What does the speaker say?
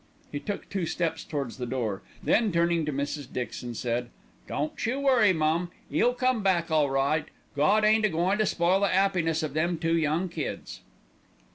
He took two steps towards the door, then turning to Mrs. Dixon said: "Don't you worry, mum, 'e'll come back all right. Gawd ain't a goin' to spoil the 'appiness of them two young kids."